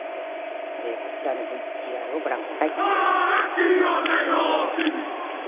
こちらのＶＴＲをご覧ください。